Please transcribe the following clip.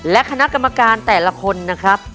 และคณะกรรมการแต่ละคนนะครับ